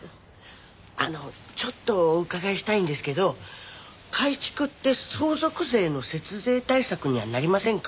あのちょっとお伺いしたいんですけど改築って相続税の節税対策にはなりませんか？